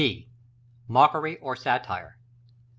(B). Mockery, or Satire.